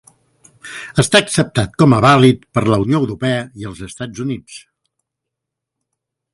Està acceptat com a vàlid per la Unió Europea i els Estats Units.